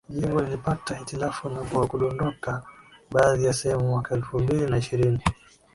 Jengo lilipata hitilafu na kudondoka baadhi ya sehemu mwaka elfu mbili na ishirini